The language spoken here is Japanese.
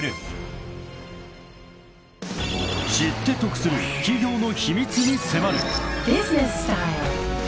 ［知って得する企業の秘密に迫る］